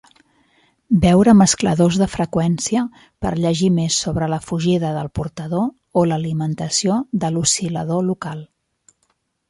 Veure mescladors de freqüència, per llegir més sobre la fugida del portador o l'alimentació de l'oscil·lador local.